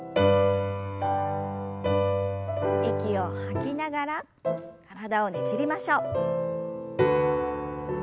息を吐きながら体をねじりましょう。